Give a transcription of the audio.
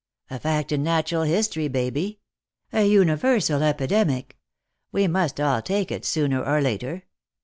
" A fact in natural history, Baby. A universal epidemic. We must all take it, sooner or later.